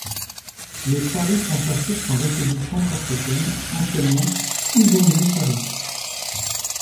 Le Chari prend sa source en République centrafricaine, anciennement Oubangui-Chari.